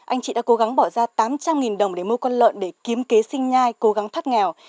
anh chị đã cố gắng bỏ ra tám trăm linh đồng để mua con lợn để kiếm kế sinh nhai cố gắng thoát nghèo